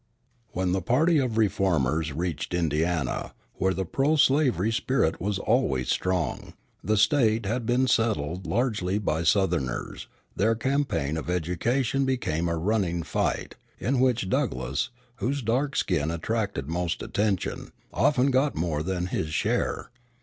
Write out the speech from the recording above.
When the party of reformers reached Indiana, where the pro slavery spirit was always strong, the State having been settled largely by Southerners, their campaign of education became a running fight, in which Douglass, whose dark skin attracted most attention, often got more than his share.